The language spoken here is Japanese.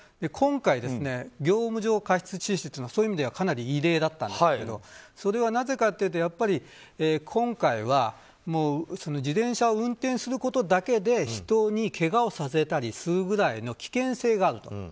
今回、業務上過失致死はそういう意味ではかなり異例だったんですけどそれは、なぜかというと今回は自転車を運転することだけで人にけがをさせたりするぐらいの危険性があると。